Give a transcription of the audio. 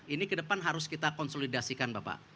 ini kedepan harus kita konsolidasikan bapak